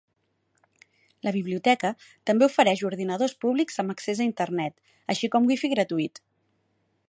La biblioteca també ofereix ordinadors públics amb accés a Internet, així com wifi gratuït.